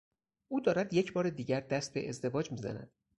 او دارد یکبار دیگر دست به ازدواج میزند.